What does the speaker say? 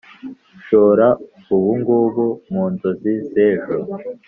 shora ubungubu mu nzozi z'ejo.